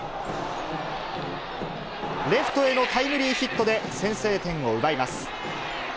レフトへのタイムリーヒットで、先制点を奪います。